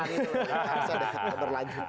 harusnya ada yang berlanjut